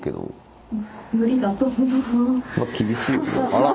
あら！